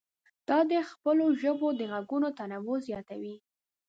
دا د خپلو ژبو د غږونو تنوع زیاتوي.